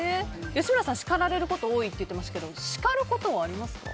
吉村さんは叱られることが多いと言ってましたけど叱ることもありますか？